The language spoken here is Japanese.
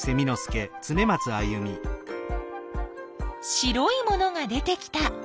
白いものが出てきた。